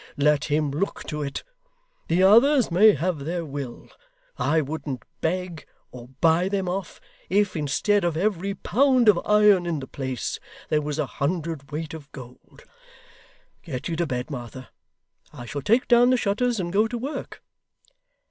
Let him look to it. The others may have their will. I wouldn't beg or buy them off, if, instead of every pound of iron in the place, there was a hundred weight of gold. Get you to bed, Martha. I shall take down the shutters and go to work.